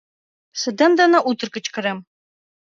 Шыдем дене утыр кычкырем: